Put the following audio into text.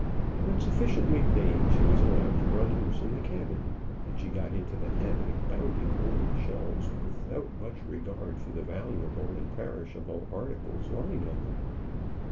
When sufficiently tame, she was allowed to run loose in the cabin; but she got into the habit of bounding over the shelves, without much regard for the valuable and perishable articles lying on them.